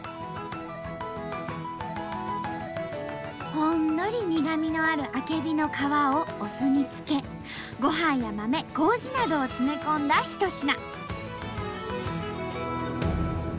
ほんのり苦みのあるあけびの皮をお酢に漬けごはんや豆麹などを詰め込んだ一品。